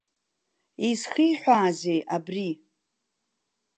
Изхиҳәаази абри?